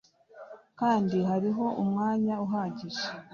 kandi hariho umwanya uhagije